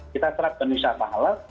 kita terapkan wisata halal